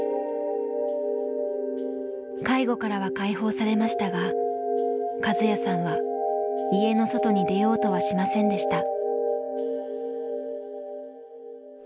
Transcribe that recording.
介護からは解放されましたがカズヤさんは家の外に出ようとはしませんでした。